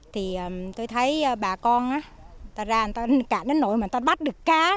thì tôi thấy bà con ta ra cạn đến nỗi mà ta bắt được cá